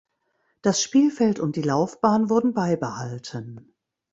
Das Spielfeld und die Laufbahn wurden beibehalten.